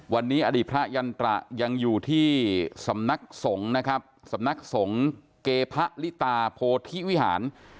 วันนี้อดีตพระยันตระยังอยู่ที่สำนักสงฆ์นะครับสำนักสงฆ์เกพะลิตาโพธิวิหาร